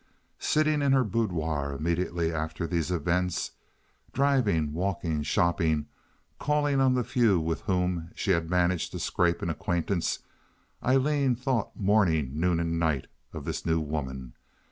Sitting in her boudoir immediately after these events, driving, walking, shopping, calling on the few with whom she had managed to scrape an acquaintance, Aileen thought morning, noon, and night of this new woman.